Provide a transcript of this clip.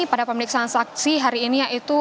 pada pemeriksaan saksi hari ini yaitu